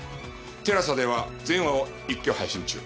ＴＥＬＡＳＡでは全話を一挙配信中。